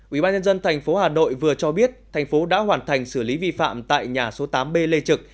ubnd tp hà nội vừa cho biết thành phố đã hoàn thành xử lý vi phạm tại nhà số tám b lê trực